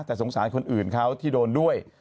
แต่สงสารคนอื่นเขาที่โดนด้วย